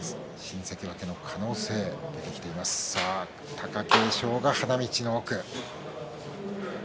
貴景勝が花道の奥。